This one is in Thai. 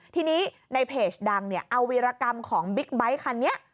ทีนี้ในเพจดังเอาวีรกรรมของบิ๊กไบท์คันนี้